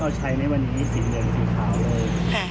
เขาเริ่มจะใช้ในวันนี้กลิ่นเหมือนสีขาวเลย